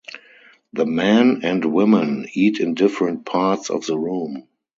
The men and women eat in different parts of the room.